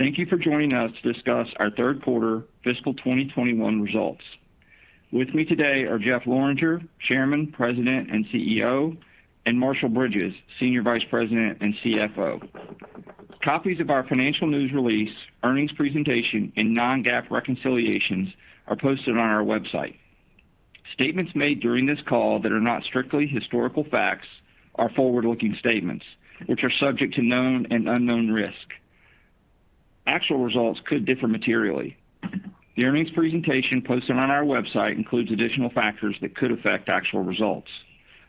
Thank you for joining us to discuss our third quarter fiscal 2021 results. With me today are Jeff Lorenger, Chairman, President, and CEO, and Marshall Bridges, Senior Vice President and CFO. Copies of our financial news release, earnings presentation, and non-GAAP reconciliations are posted on our website. Statements made during this call that are not strictly historical facts are forward-looking statements, which are subject to known and unknown risk. Actual results could differ materially. The earnings presentation posted on our website includes additional factors that could affect actual results.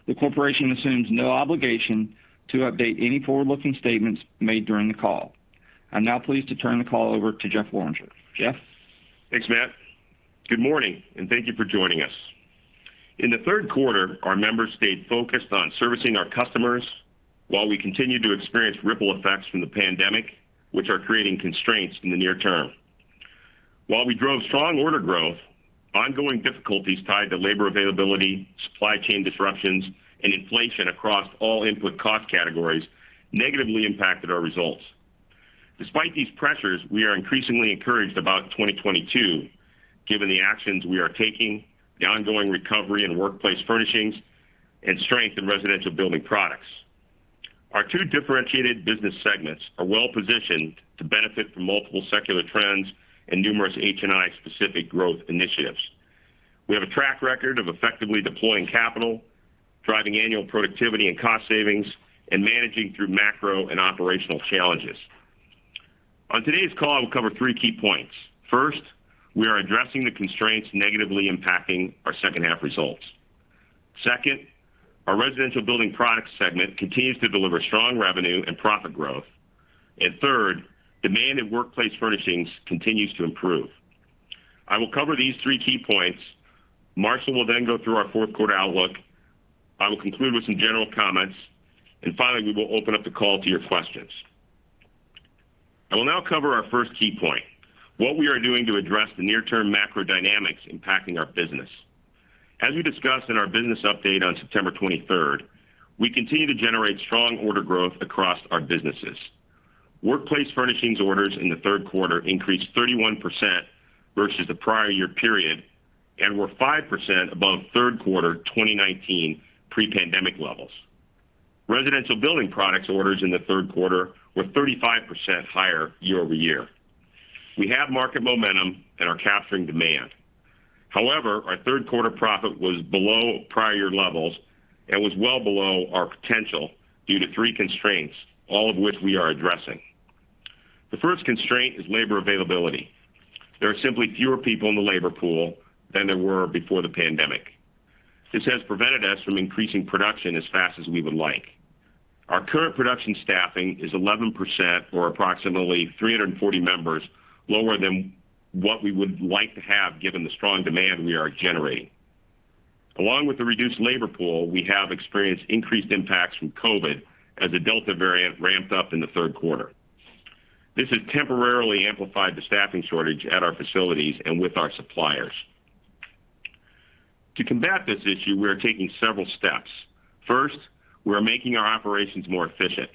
The corporation assumes no obligation to update any forward-looking statements made during the call. I'm now pleased to turn the call over to Jeff Lorenger. Jeff? Thanks, Matt. Good morning, and thank you for joining us. In the third quarter, our members stayed focused on servicing our customers while we continued to experience ripple effects from the pandemic, which are creating constraints in the near term. While we drove strong order growth, ongoing difficulties tied to labor availability, supply chain disruptions, and inflation across all input cost categories negatively impacted our results. Despite these pressures, we are increasingly encouraged about 2022, given the actions we are taking, the ongoing recovery in workplace furnishings, and strength in residential building products. Our two differentiated business segments are well-positioned to benefit from multiple secular trends and numerous HNI-specific growth initiatives. We have a track record of effectively deploying capital, driving annual productivity and cost savings, and managing through macro and operational challenges. On today's call, I will cover three key points. First, we are addressing the constraints negatively impacting our second half results. Second, our Residential Building Products segment continues to deliver strong revenue and profit growth. Third, demand in Workplace Furnishings continues to improve. I will cover these three key points. Marshall will then go through our fourth quarter outlook. I will conclude with some general comments, and finally, we will open up the call to your questions. I will now cover our first key point, what we are doing to address the near-term macro dynamics impacting our business. As we discussed in our business update on September 23rd, we continue to generate strong order growth across our businesses. Workplace Furnishings orders in the third quarter increased 31% versus the prior year period and were 5% above third quarter 2019 pre-pandemic levels. Residential Building Products orders in the third quarter were 35% higher year-over-year. We have market momentum and are capturing demand. However, our third quarter profit was below prior levels and was well below our potential due to three constraints, all of which we are addressing. The first constraint is labor availability. There are simply fewer people in the labor pool than there were before the pandemic. This has prevented us from increasing production as fast as we would like. Our current production staffing is 11%, or approximately 340 members, lower than what we would like to have given the strong demand we are generating. Along with the reduced labor pool, we have experienced increased impacts from COVID as the Delta variant ramped up in the third quarter. This has temporarily amplified the staffing shortage at our facilities and with our suppliers. To combat this issue, we are taking several steps. First, we are making our operations more efficient.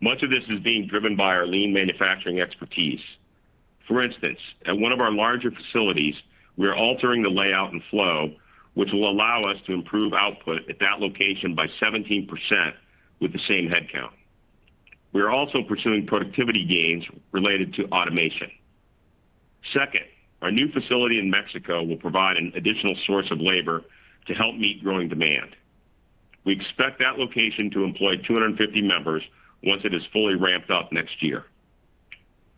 Much of this is being driven by our lean manufacturing expertise. For instance, at one of our larger facilities, we are altering the layout and flow, which will allow us to improve output at that location by 17% with the same headcount. We are also pursuing productivity gains related to automation. Second, our new facility in Mexico will provide an additional source of labor to help meet growing demand. We expect that location to employ 250 members once it is fully ramped up next year.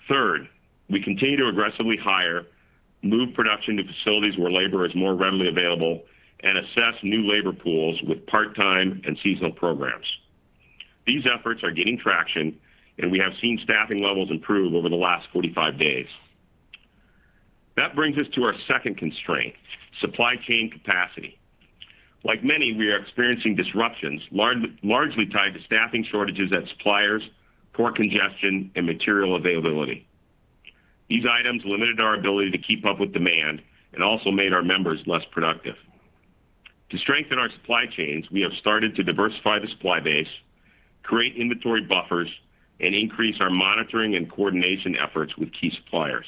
Third, we continue to aggressively hire, move production to facilities where labor is more readily available, and assess new labor pools with part-time and seasonal programs. These efforts are gaining traction, and we have seen staffing levels improve over the last 45 days. That brings us to our second constraint: supply chain capacity. Like many, we are experiencing disruptions largely tied to staffing shortages at suppliers, port congestion, and material availability. These items limited our ability to keep up with demand and also made our members less productive. To strengthen our supply chains, we have started to diversify the supply base, create inventory buffers, and increase our monitoring and coordination efforts with key suppliers.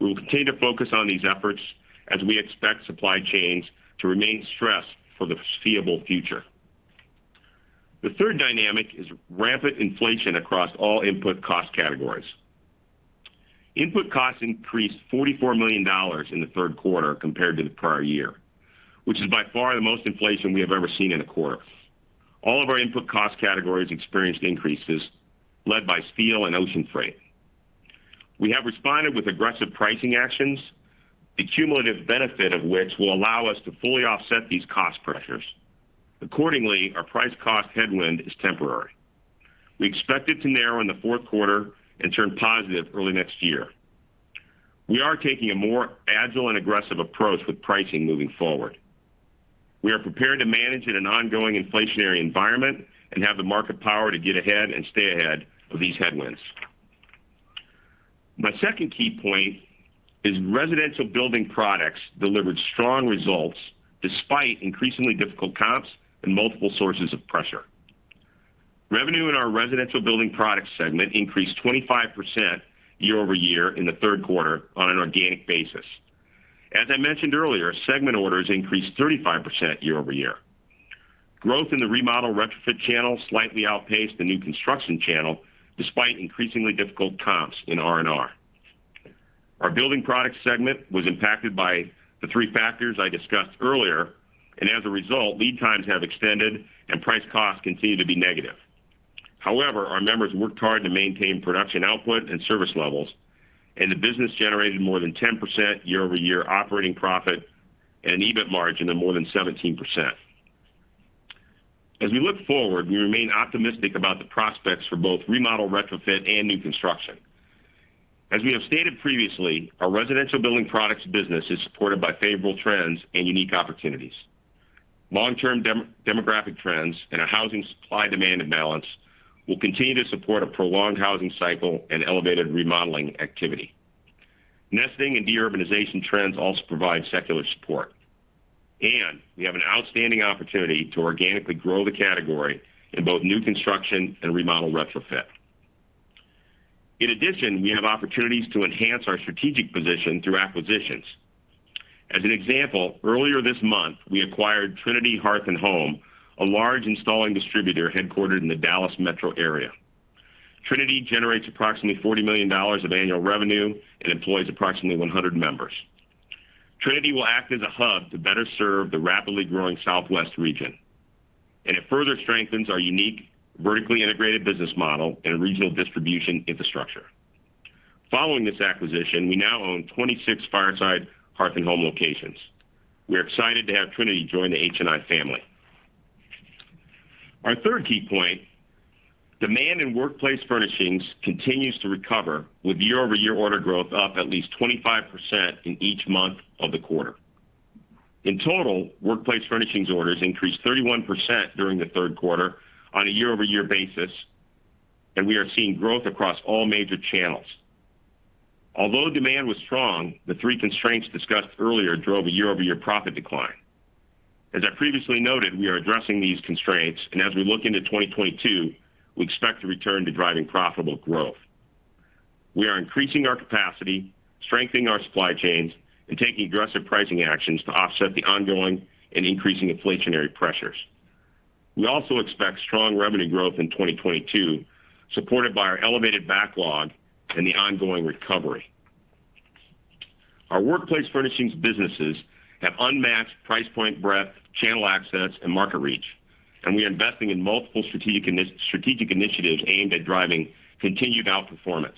We will continue to focus on these efforts as we expect supply chains to remain stressed for the foreseeable future. The third dynamic is rampant inflation across all input cost categories. Input costs increased $44 million in the third quarter compared to the prior year, which is by far the most inflation we have ever seen in a quarter. All of our input cost categories experienced increases led by steel and ocean freight. We have responded with aggressive pricing actions, the cumulative benefit of which will allow us to fully offset these cost pressures. Accordingly, our price cost headwind is temporary. We expect it to narrow in the fourth quarter and turn positive early next year. We are taking a more agile and aggressive approach with pricing moving forward. We are prepared to manage in an ongoing inflationary environment and have the market power to get ahead and stay ahead of these headwinds. My second key point is Residential Building Products delivered strong results despite increasingly difficult comps and multiple sources of pressure. Revenue in our Residential Building Products segment increased 25% year-over-year in the third quarter on an organic basis. As I mentioned earlier, segment orders increased 35% year-over-year. Growth in the remodel-retrofit channel slightly outpaced the new construction channel, despite increasingly difficult comps in R&R. Our building products segment was impacted by the three factors I discussed earlier, and as a result, lead times have extended and price costs continue to be negative. However, our members worked hard to maintain production output and service levels, and the business generated more than 10% year-over-year operating profit and EBIT margin of more than 17%. As we look forward, we remain optimistic about the prospects for both remodel-retrofit and new construction. As we have stated previously, our residential building products business is supported by favorable trends and unique opportunities. Long-term demographic trends and a housing supply-demand imbalance will continue to support a prolonged housing cycle and elevated remodeling activity. Nesting and de-urbanization trends also provide secular support. We have an outstanding opportunity to organically grow the category in both new construction and remodel-retrofit. In addition, we have opportunities to enhance our strategic position through acquisitions. As an example, earlier this month, we acquired Trinity Hearth & Home, a large installing distributor headquartered in the Dallas Metro area. Trinity generates approximately $40 million of annual revenue and employs approximately 100 members. Trinity will act as a hub to better serve the rapidly growing Southwest region. It further strengthens our unique vertically integrated business model and regional distribution infrastructure. Following this acquisition, we now own 26 Fireside Hearth & Home locations. We are excited to have Trinity join the HNI family. Our third key point, demand in workplace furnishings continues to recover with year-over-year order growth up at least 25% in each month of the quarter. In total, workplace furnishings orders increased 31% during the third quarter on a year-over-year basis, and we are seeing growth across all major channels. Although demand was strong, the three constraints discussed earlier drove a year-over-year profit decline. As I previously noted, we are addressing these constraints, and as we look into 2022, we expect to return to driving profitable growth. We are increasing our capacity, strengthening our supply chains, and taking aggressive pricing actions to offset the ongoing and increasing inflationary pressures. We also expect strong revenue growth in 2022, supported by our elevated backlog and the ongoing recovery. Our workplace furnishings businesses have unmatched price point breadth, channel access, and market reach, and we are investing in multiple strategic initiatives aimed at driving continued outperformance.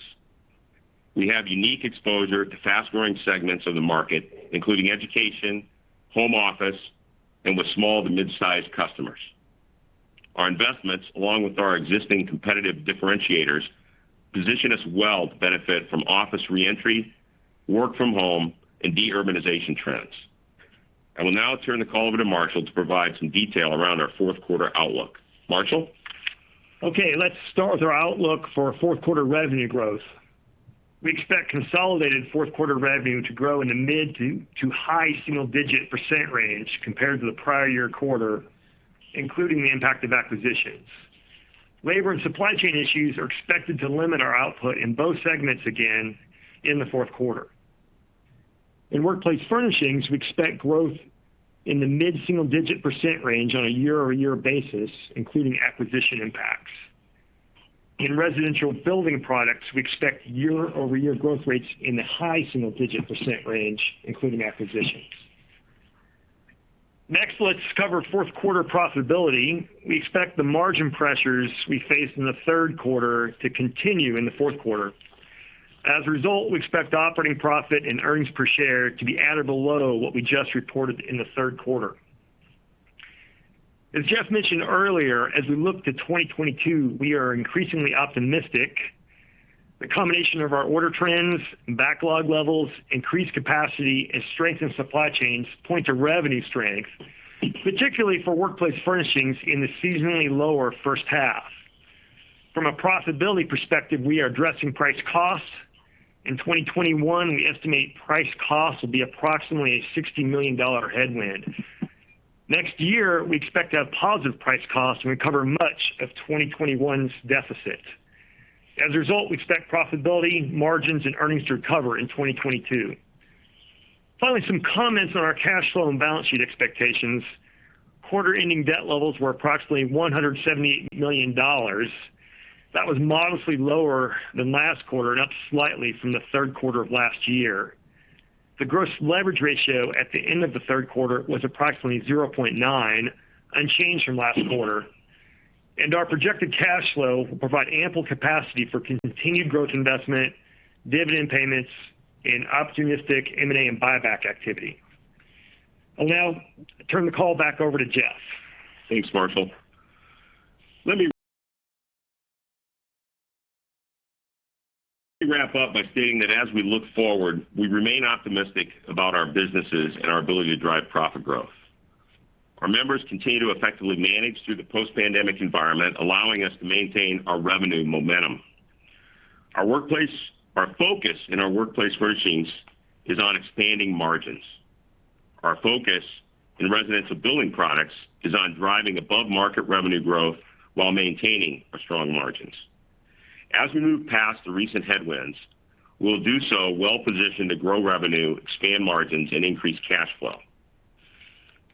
We have unique exposure to fast-growing segments of the market, including education, home office, and with small to mid-sized customers. Our investments, along with our existing competitive differentiators, position us well to benefit from office re-entry, work from home, and de-urbanization trends. I will now turn the call over to Marshall to provide some detail around our fourth quarter outlook. Marshall? Let's start with our outlook for fourth quarter revenue growth. We expect consolidated fourth quarter revenue to grow in the mid- to high single-digit percent range compared to the prior year quarter, including the impact of acquisitions. Labor and supply chain issues are expected to limit our output in both segments again in the fourth quarter. In workplace furnishings, we expect growth in the mid-single digit prercent range on a year-over-year basis, including acquisition impacts. In residential building products, we expect year-over-year growth rates in the high single-digit percent range, including acquisitions. Let's cover fourth quarter profitability. We expect the margin pressures we faced in the third quarter to continue in the fourth quarter. We expect operating profit and earnings per share to be at or below what we just reported in the third quarter. As Jeff mentioned earlier, as we look to 2022, we are increasingly optimistic. The combination of our order trends and backlog levels, increased capacity, and strengthened supply chains point to revenue strength, particularly for workplace furnishings in the seasonally lower first half. From a profitability perspective, we are addressing price costs. In 2021, we estimate price costs will be approximately a $60 million headwind. Next year, we expect to have positive price costs and recover much of 2021's deficit. As a result, we expect profitability, margins, and earnings to recover in 2022. Finally, some comments on our cash flow and balance sheet expectations. Quarter-ending debt levels were approximately $178 million. That was modestly lower than last quarter and up slightly from the third quarter of last year. The gross leverage ratio at the end of the third quarter was approximately 0.9, unchanged from last quarter. Our projected cash flow will provide ample capacity for continued growth investment, dividend payments, and opportunistic M&A and buyback activity. I'll now turn the call back over to Jeff. Thanks, Marshall. Let me wrap up by stating that as we look forward, we remain optimistic about our businesses and our ability to drive profit growth. Our members continue to effectively manage through the post-pandemic environment, allowing us to maintain our revenue momentum. Our focus in our workplace furnishings is on expanding margins. Our focus in residential building products is on driving above-market revenue growth while maintaining our strong margins. As we move past the recent headwinds, we'll do so well-positioned to grow revenue, expand margins, and increase cash flow.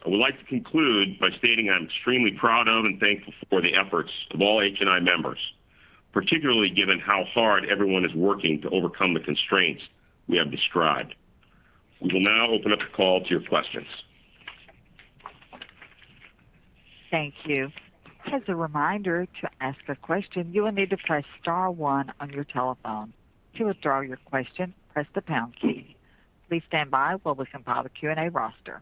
I would like to conclude by stating I'm extremely proud of and thankful for the efforts of all HNI members, particularly given how hard everyone is working to overcome the constraints we have described. We will now open up the call to your questions. Thank you. As a reminder, to ask a question, you will need to press star one on your telephone. To withdraw your question, press the pound key. Please stand by while we compile the Q&A roster.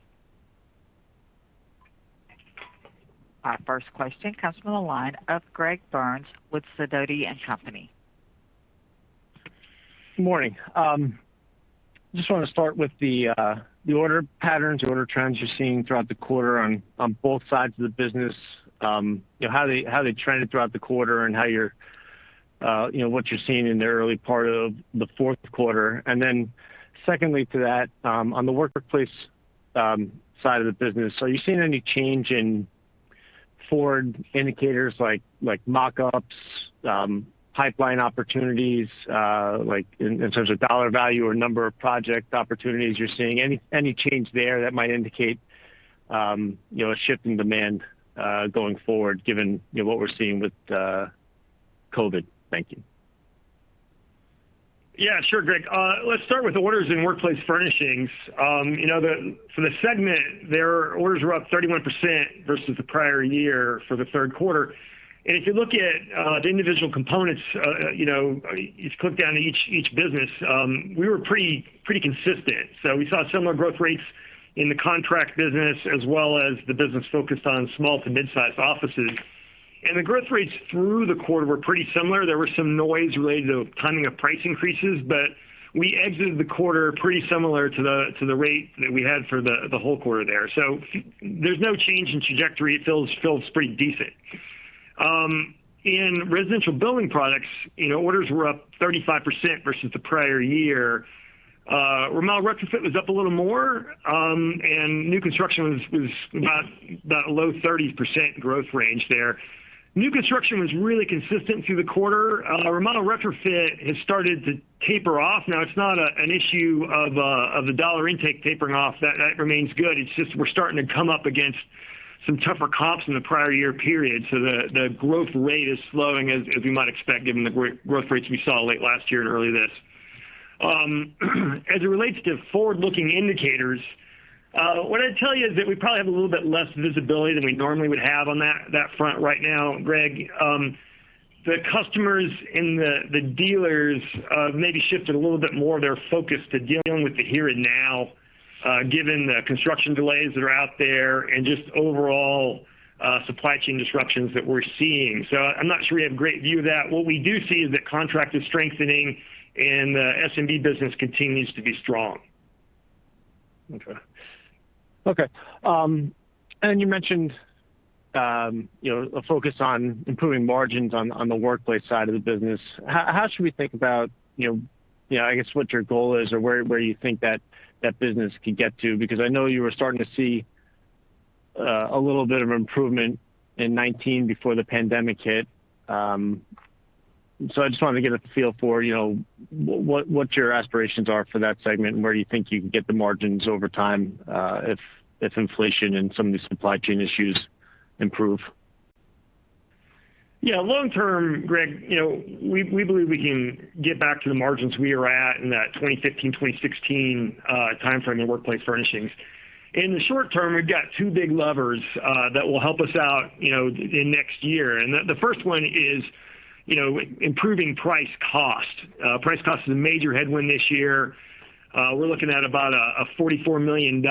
Our first question comes from the line of Greg Burns with Sidoti & Company. Good morning. Just want to start with the order patterns or order trends you're seeing throughout the quarter on both sides of the business. How are they trending throughout the quarter and what you're seeing in the early part of the fourth quarter. Then secondly to that, on the workplace side of the business, are you seeing any change in forward indicators like mock-ups, pipeline opportunities, like in terms of dollar value or number of project opportunities you're seeing? Any change there that might indicate a shift in demand going forward given what we're seeing with COVID? Thank you. Yeah, sure, Greg. Let's start with orders in workplace furnishings. For the segment, their orders were up 31% versus the prior year for the third quarter. If you look at the individual components, if you click down to each business, we were pretty consistent. We saw similar growth rates in the contract business as well as the business focused on small to mid-size offices. The growth rates through the quarter were pretty similar. There was some noise related to timing of price increases, but we exited the quarter pretty similar to the rate that we had for the whole quarter there. There's no change in trajectory. It feels pretty decent. In residential building products, orders were up 35% versus the prior year. Remodel and retrofit was up a little more, and new construction was about low 30% growth range there. New construction was really consistent through the quarter. remodel-retrofit has started to taper off. Now, it's not an issue of the dollar intake tapering off. That remains good. It's just we're starting to come up against some tougher comps in the prior year period. The growth rate is slowing, as we might expect, given the growth rates we saw late last year and early this. As it relates to forward-looking indicators, what I'd tell you is that we probably have a little bit less visibility than we normally would have on that front right now, Greg. The customers and the dealers maybe shifted a little bit more of their focus to dealing with the here and now, given the construction delays that are out there and just overall supply chain disruptions that we're seeing. I'm not sure we have a great view of that. What we do see is that contract is strengthening and the SMB business continues to be strong. Okay. You mentioned a focus on improving margins on the workplace side of the business. How should we think about, I guess, what your goal is or where you think that business could get to? I know you were starting to see a little bit of improvement in 2019 before the pandemic hit. I just wanted to get a feel for what your aspirations are for that segment and where you think you can get the margins over time if inflation and some of these supply chain issues improve. Long term, Greg, we believe we can get back to the margins we were at in that 2015, 2016 timeframe in workplace furnishings. In the short term, we've got 2 big levers that will help us out in next year. The first one is improving price cost. Price cost is a major headwind this year. We're looking at about a $44 million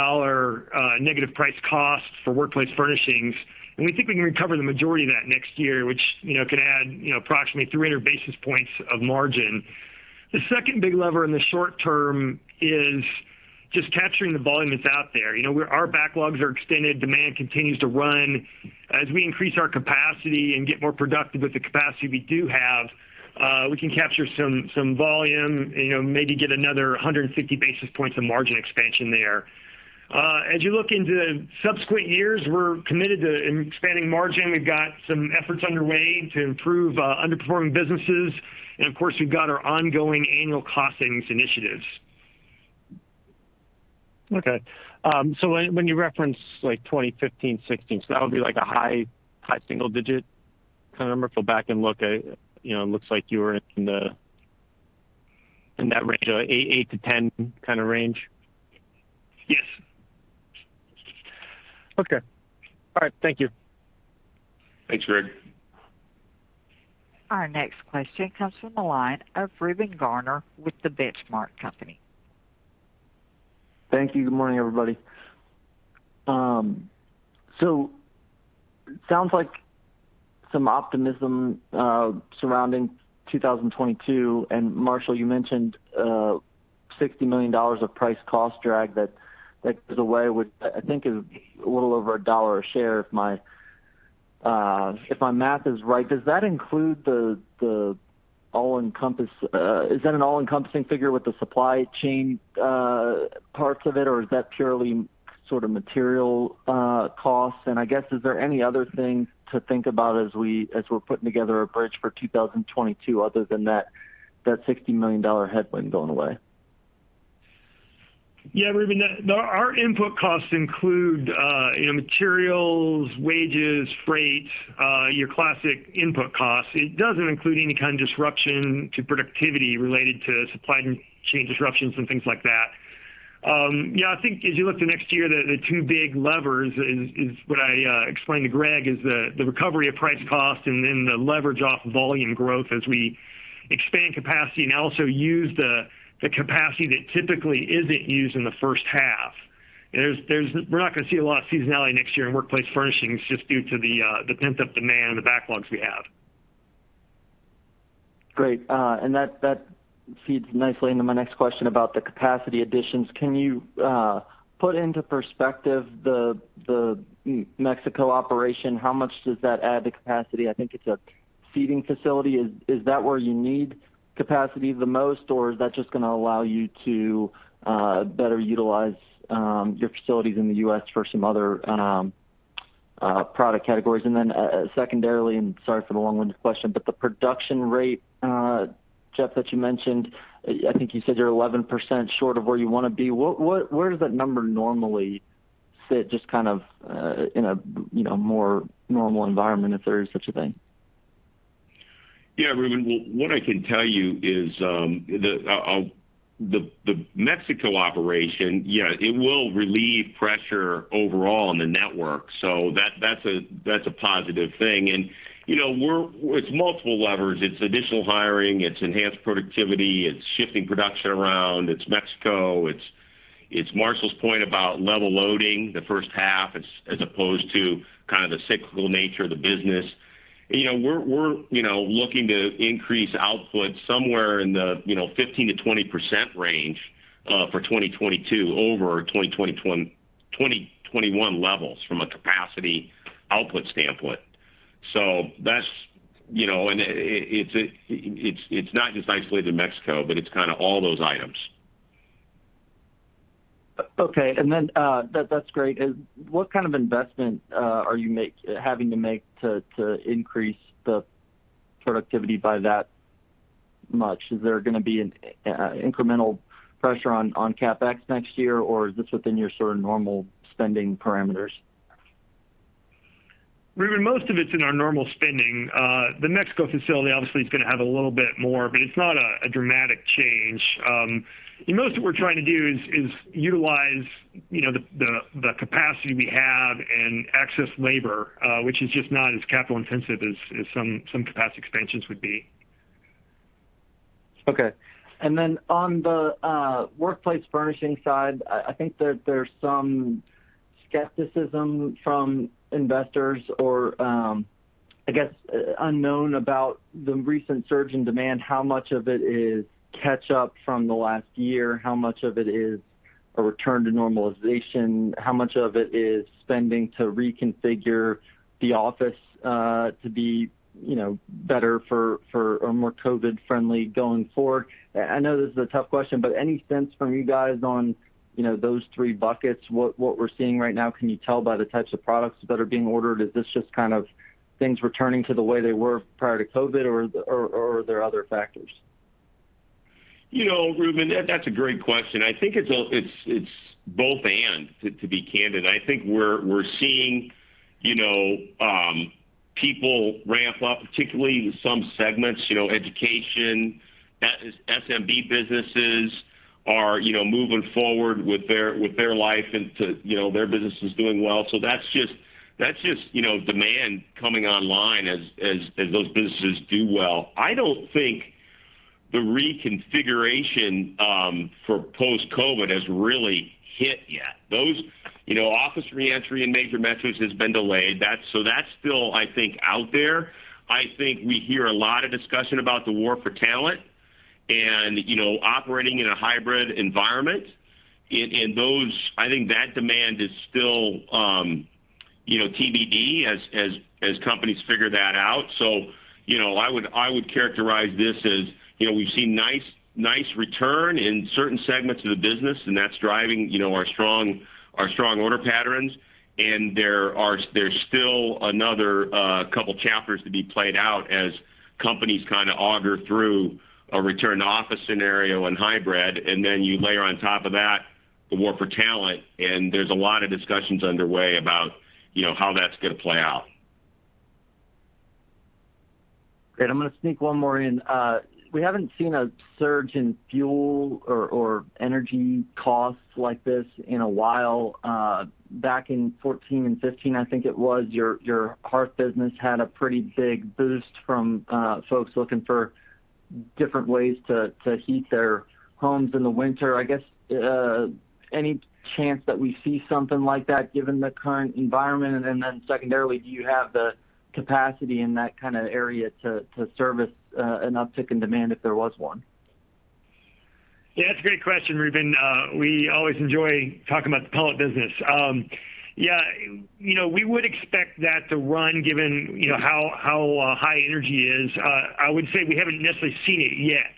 negative price cost for workplace furnishings, and we think we can recover the majority of that next year, which can add approximately 300 basis points of margin. The second big lever in the short term is just capturing the volume that's out there. Our backlogs are extended. Demand continues to run. As we increase our capacity and get more productive with the capacity we do have, we can capture some volume, maybe get another 150 basis points of margin expansion there. As you look into subsequent years, we're committed to expanding margin. We've got some efforts underway to improve underperforming businesses. Of course, we've got our ongoing annual cost savings initiatives. Okay. When you reference 2015, 2016, that would be like a high single digit kind of number? If I back and look, it looks like you were in that range of 8%-10% kind of range. Yes. Okay. All right. Thank you. Thanks, Greg. Our next question comes from the line of Reuben Garner with The Benchmark Company. Thank you. Good morning, everybody. It sounds like some optimism surrounding 2022. Marshall, you mentioned $60 million of price cost drag that goes away, which I think is a little over $1 a share if my math is right. Is that an all-encompassing figure with the supply chain parts of it, or is that purely material costs? I guess, is there any other things to think about as we're putting together a bridge for 2022 other than that $60 million headwind going away? Yeah, Reuben. Our input costs include materials, wages, freight, your classic input costs. It doesn't include any kind of disruption to productivity related to supply chain disruptions and things like that. Yeah, I think as you look to next year, the two big levers is what I explained to Greg, is the recovery of price cost and then the leverage off volume growth as we expand capacity and also use the capacity that typically isn't used in the first half. We're not going to see a lot of seasonality next year in Workplace Furnishings just due to the pent-up demand and the backlogs we have. Great. That feeds nicely into my next question about the capacity additions. Can you put into perspective the Mexico operation? How much does that add to capacity? I think it's a seating facility. Is that where you need capacity the most, or is that just going to allow you to better utilize your facilities in the U.S. for some other product categories? Secondarily, and sorry for the long-winded question, but the production rate, Jeff, that you mentioned. I think you said you're 11% short of where you want to be. Where does that number normally sit, just kind of in a more normal environment, if there is such a thing? Yeah, Reuben. What I can tell you is the Mexico operation, yeah, it will relieve pressure overall on the network. That's a positive thing. It's multiple levers. It's additional hiring, it's enhanced productivity, it's shifting production around, it's Mexico, it's Marshall's point about level loading the first half as opposed to kind of the cyclical nature of the business. We're looking to increase output somewhere in the 15%-20% range for 2022 over 2021 levels from a capacity output standpoint. It's not just isolated to Mexico, but it's kind of all those items. Okay. That's great. What kind of investment are you having to make to increase the productivity by that much? Is there going to be an incremental pressure on CapEx next year, or is this within your sort of normal spending parameters? Reuben, most of it's in our normal spending. The Mexico facility obviously is going to have a little bit more, but it's not a dramatic change. Most of what we're trying to do is utilize the capacity we have and excess labor, which is just not as capital-intensive as some capacity expansions would be. On the workplace furnishings side, I think there's some skepticism from investors or, I guess, unknown about the recent surge in demand. How much of it is catch-up from the last year? How much of it is a return to normalization? How much of it is spending to reconfigure the office to be better for a more COVID-friendly going forward? I know this is a tough question, but any sense from you guys on those 3 buckets, what we're seeing right now? Can you tell by the types of products that are being ordered? Is this just kind of things returning to the way they were prior to COVID, or are there other factors? Reuben, that's a great question. I think it's both/and, to be candid. I think we're seeing people ramp up, particularly some segments, education, SMB businesses are moving forward with their life into their businesses doing well. That's just demand coming online as those businesses do well. I don't think the reconfiguration for post-COVID has really hit yet. Office reentry in major metros has been delayed. That's still, I think, out there. I think we hear a lot of discussion about the war for talent and operating in a hybrid environment. I think that demand is still TBD as companies figure that out. I would characterize this as we've seen nice return in certain segments of the business, and that's driving our strong order patterns. There's still another couple of chapters to be played out as companies kind of auger through a return to office scenario and hybrid. Then you layer on top of that the war for talent, and there's a lot of discussions underway about how that's going to play out. Great. I'm going to sneak one more in. We haven't seen a surge in fuel or energy costs like this in a while. Back in 2014 and 2015, I think it was, your hearth business had a pretty big boost from folks looking for different ways to heat their homes in the winter. I guess, any chance that we see something like that given the current environment? Then secondarily, do you have the capacity in that kind of area to service an uptick in demand if there was one? Yeah, that's a great question, Reuben. Yeah. We would expect that to run given how high energy is. I would say we haven't necessarily seen it yet.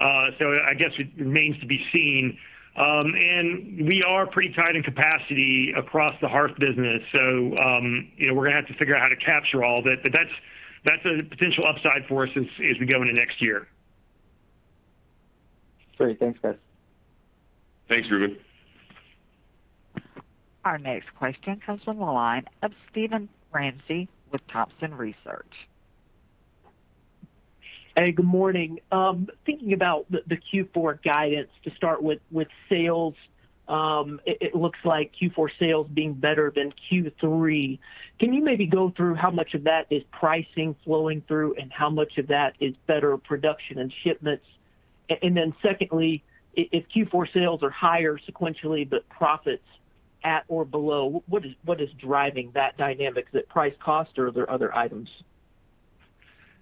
I guess it remains to be seen. We are pretty tight in capacity across the hearth business. We're going to have to figure out how to capture all of it. That's a potential upside for us as we go into next year. Great. Thanks, guys. Thanks, Reuben. Our next question comes from the line of Steven Ramsey with Thompson Research. Hey, good morning. Thinking about the Q4 guidance to start with sales. It looks like Q4 sales being better than Q3. Can you maybe go through how much of that is pricing flowing through, and how much of that is better production and shipments? Secondly, if Q4 sales are higher sequentially, but profits at or below, what is driving that dynamic? Is it price cost or are there other items?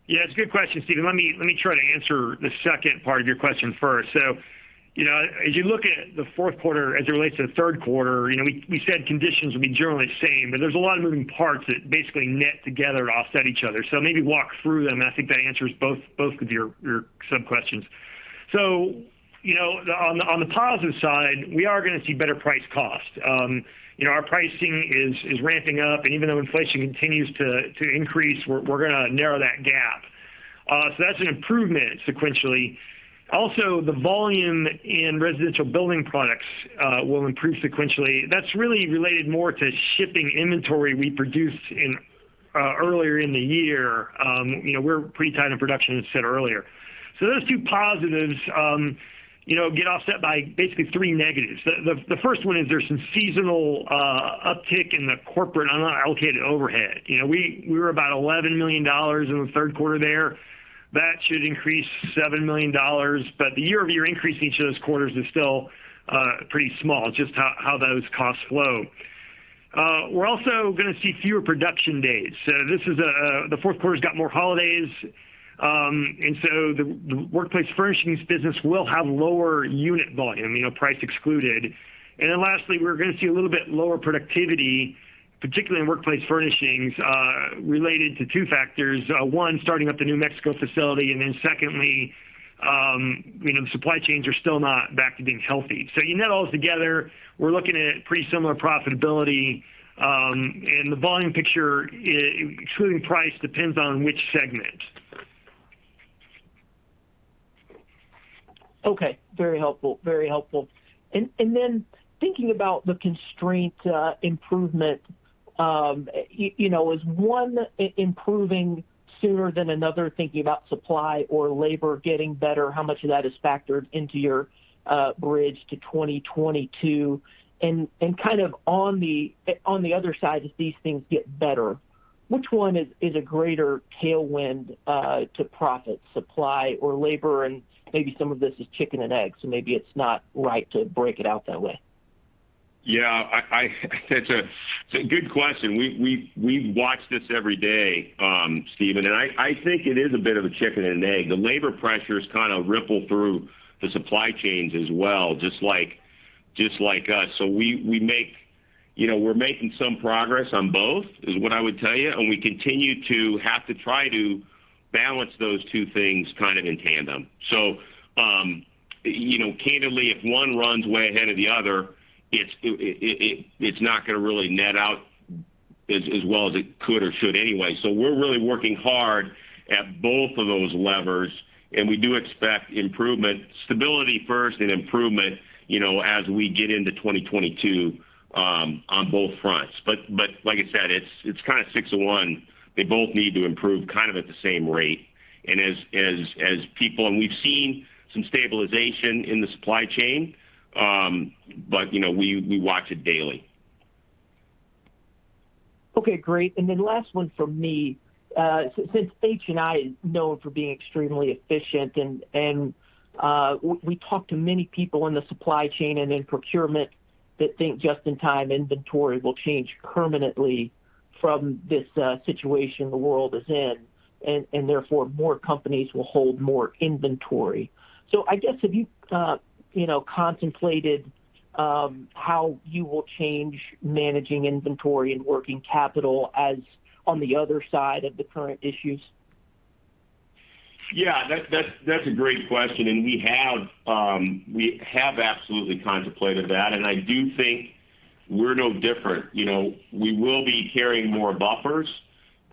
Yeah, it's a good question, Steven. Let me try to answer the second part of your question first. As you look at the fourth quarter as it relates to the third quarter, we said conditions would be generally the same, but there's a lot of moving parts that basically net together to offset each other. Maybe walk through them, and I think that answers both of your sub-questions. On the positive side, we are going to see better price cost. Our pricing is ramping up, and even though inflation continues to increase, we're going to narrow that gap. That's an improvement sequentially. Also, the volume in residential building products will improve sequentially. That's really related more to shipping inventory we produced earlier in the year. We're pretty tight on production, as I said earlier. Those two positives get offset by basically 3 negatives. The first one is there's some seasonal uptick in the corporate unallocated overhead. We were about $11 million in the third quarter there. That should increase $7 million. The year-over-year increase each of those quarters is still pretty small. It's just how those costs flow. We're also going to see fewer production days. The fourth quarter's got more holidays. The workplace furnishings business will have lower unit volume, price excluded. Lastly, we're going to see a little bit lower productivity, particularly in workplace furnishings, related to two factors. One, starting up the new Mexico facility, secondly, the supply chains are still not back to being healthy. You net all together, we're looking at pretty similar profitability. The volume picture, excluding price, depends on which segment. Okay. Very helpful. Then thinking about the constraint improvement, is one improving sooner than another? Thinking about supply or labor getting better, how much of that is factored into your bridge to 2022? Kind of on the other side, as these things get better, which one is a greater tailwind to profit, supply or labor? Maybe some of this is chicken and egg, so maybe it's not right to break it out that way. Yeah. It's a good question. We watch this every day, Steven. I think it is a bit of a chicken and an egg. The labor pressures kind of ripple through the supply chains as well, just like us. We're making some progress on both, is what I would tell you, and we continue to have to try to balance those two things kind of in tandem. Candidly, if one runs way ahead of the other, it's not going to really net out as well as it could or should anyway. We're really working hard at both of those levers, and we do expect improvement. Stability first, then improvement as we get into 2022 on both fronts. Like I said, it's kind of six to one. They both need to improve kind of at the same rate. We've seen some stabilization in the supply chain, but we watch it daily. Okay, great. Last one from me. Since HNI is known for being extremely efficient and we talk to many people in the supply chain and in procurement that think Just-in-Time inventory will change permanently from this situation the world is in, and therefore, more companies will hold more inventory. I guess, have you contemplated how you will change managing inventory and working capital as on the other side of the current issues? Yeah. That's a great question. We have absolutely contemplated that. I do think we're no different. We will be carrying more buffers.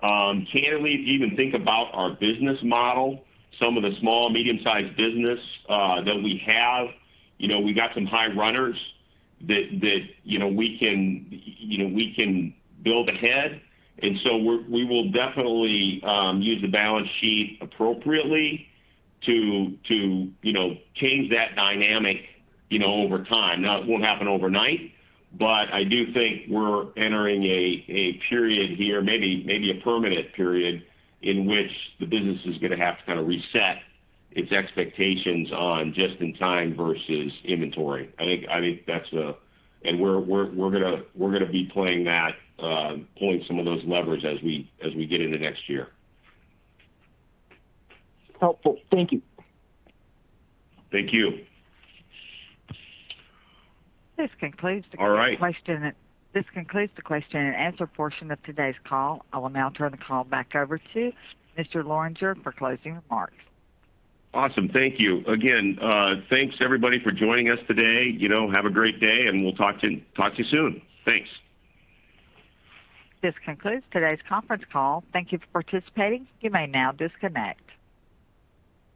Candidly, even think about our business model. Some of the small, medium-sized business that we have, we got some high runners that we can build ahead. We will definitely use the balance sheet appropriately to change that dynamic over time. Now, it won't happen overnight, I do think we're entering a period here, maybe a permanent period, in which the business is going to have to kind of reset its expectations on Just-in-Time versus inventory. We're going to be playing some of those levers as we get into next year. Helpful. Thank you. Thank you. This concludes the- All right. Question and answer portion of today's call. I will now turn the call back over to Mr. Lorenger for closing remarks. Awesome. Thank you. Again, thanks everybody for joining us today. Have a great day, and we'll talk to you soon. Thanks. This concludes today's conference call. Thank you for participating. You may now disconnect.